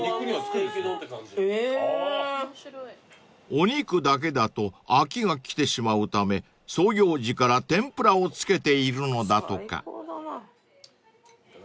［お肉だけだと飽きがきてしまうため創業時から天ぷらをつけているのだとか］